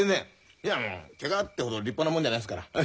いやもうケガってほど立派なもんじゃないですから。